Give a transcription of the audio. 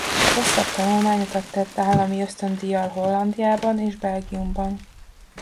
Hosszabb tanulmányutat tett állami ösztöndíjjal Hollandiában és Belgiumban.